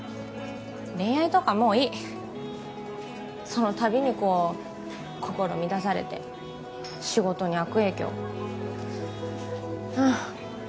恋愛とかもういいその度にこう心乱されて仕事に悪影響うん